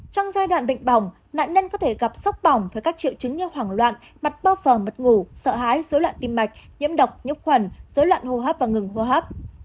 trong giai đoạn bệnh bỏng nạn nhân có thể gặp sốc bỏng với các triệu chứng như hoảng loạn mặt bao phở mất ngủ sợ hãi dối loạn tim mạch nhiễm độc nhiễm khuẩn dối loạn hô hấp và ngừng hô hấp